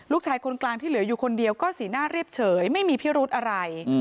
ลูกชายคนกลางที่เหลืออยู่คนเดียวก็สีหน้าเรียบเฉยไม่มีพิรุธอะไร